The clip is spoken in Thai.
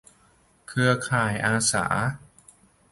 เครือข่ายอาสา